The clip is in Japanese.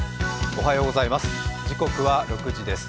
おはようございます。